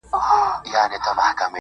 o له مايې ما اخله.